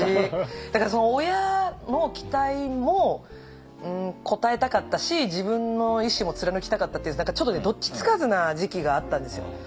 だから親の期待も応えたかったし自分の意志も貫きたかったっていうちょっとどっちつかずな時期があったんですよ。